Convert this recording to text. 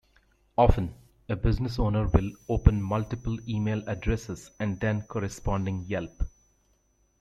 Often, a business owner will open multiple email addresses and then corresponding Yelp!